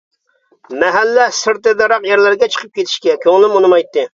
مەھەللە سىرتىدىراق يەرلەرگە چىقىپ كېتىشكە كۆڭلۈم ئۇنىمايتتى.